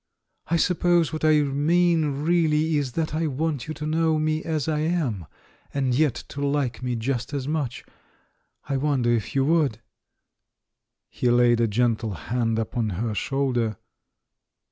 "I suppose what I mean really is that I want you to know me as I am, and yet to hke me just as much. I wonder if you would?" He laid a gentle hand upon her shoulder.